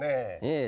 ええ。